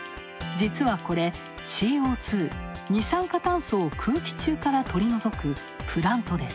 実はこれ、ＣＯ２＝二酸化炭素を空気中から取り除くプラントです。